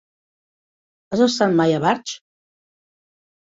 Has estat mai a Barx?